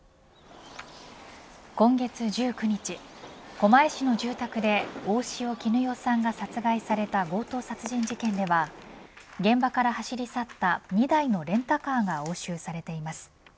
今月１９日狛江市の住宅で大塩衣与さんが殺害された強盗殺人事件では現場から走り去った２台のレンタカーが押収されています。